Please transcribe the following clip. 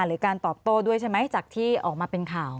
หรือการตอบโต้ด้วยใช่ไหมจากที่ออกมาเป็นข่าว